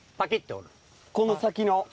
この先の？